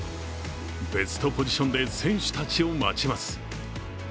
ベストポジションで選手たちを待ちます。